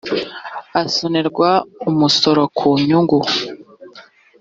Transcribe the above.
asonerwa umusoro ku nyungu